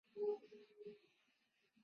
病灶时常会在身上其他区域轮流出现。